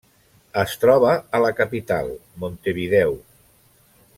Es troba a la capital, Montevideo.